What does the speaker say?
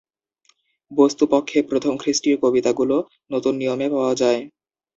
বস্তুপক্ষে, প্রথম খ্রিস্টীয় কবিতাগুলো নতুন নিয়মে পাওয়া যায়।